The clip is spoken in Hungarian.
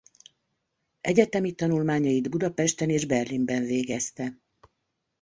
Egyetemi tanulmányait Budapesten és Berlinben végezte.